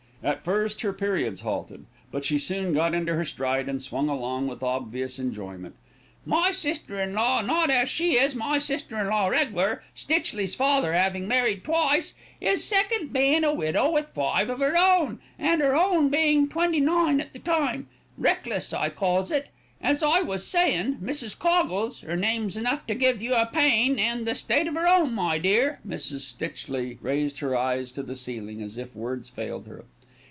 At first her periods halted; but she soon got into her stride and swung along with obvious enjoyment. "My sister in law, not as she is my sister in law regler, Stitchley's father 'avin' married twice, 'is second bein' a widow with five of 'er own, an' 'er not twenty nine at the time, reckless, I calls it. As I was sayin', Mrs. Coggles, 'er name's enough to give you a pain, an' the state of 'er 'ome, my dear " Mrs. Stitchley raised her eyes to the ceiling as if words failed her.